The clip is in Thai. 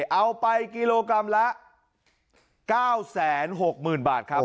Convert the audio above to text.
เอาไปกิโลกรัมละ๙๖๐๐๐บาทครับ